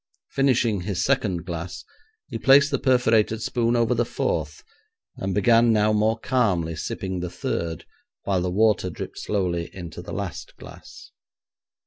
Finishing his second glass he placed the perforated spoon over the fourth, and began now more calmly sipping the third while the water dripped slowly into the last glass.